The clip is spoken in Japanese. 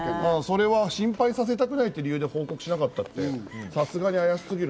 それは心配させたくないって理由で報告しなかった。